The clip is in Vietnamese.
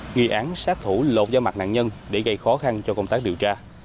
nghi án sát thủ lột da mặt nạn nhân để gây khó khăn cho công tác điều tra